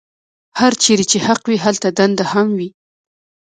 هرچېرې چې حق وي هلته دنده هم وي.